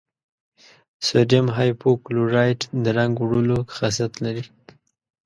سوډیم هایپو کلورایټ د رنګ وړلو خاصیت لري.